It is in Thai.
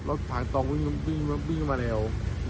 รถทางตรงวิ่งมาเร็ว